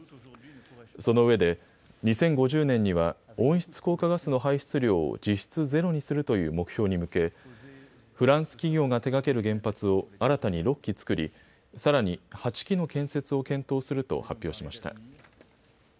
そのうえで２０５０年には温室効果ガスの排出量を実質ゼロにするという目標に向けフランス企業が手がける原発を新たに６基造り、さらに８基の建設を検討すると発表しました。